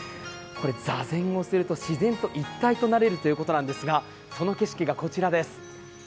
座禅をすると自然と一体となれるということなんですが、その景色がこちらです。